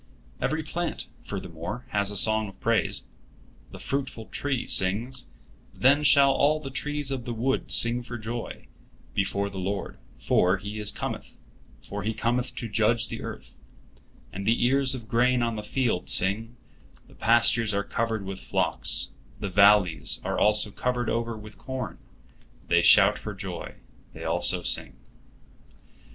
Every plant, furthermore, has a song of praise. The fruitful tree sings, "Then shall all the trees of the wood sing for joy, before the Lord, for He cometh; for He cometh to judge the earth"; and the ears of grain on the field sing, "The pastures are covered with flocks; the valleys also are covered over with corn; they shout for joy, they also sing."